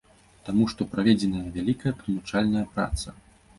Таму што праведзеная вялікая тлумачальная праца.